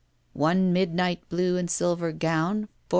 ''One midnight blue and silver gown $485.